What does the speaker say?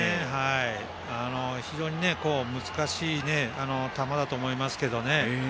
非常に難しい球だと思いますけどね。